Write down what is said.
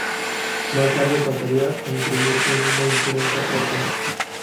Más tarde pasaría a imprimirse en una imprenta propia.